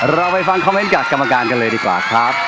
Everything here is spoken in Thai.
เราไปฟังคอมเมนต์กับกำมากรกันกันเลยดีกว่าครับ